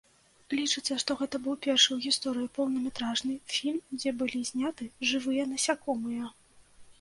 Лічыцца, што гэта быў першы ў гісторыі поўнаметражнай фільм, дзе былі зняты жывыя насякомыя.